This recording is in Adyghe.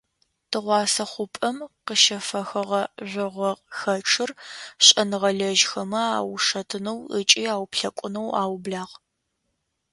Тыгъуасэ хъупӏэм къыщефэхыгъэ жъогъохэчъыр шӏэныгъэлэжьхэмэ аушэтынэу ыкӏи ауплъэкӏунэу аублагъ.